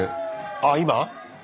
あっ今？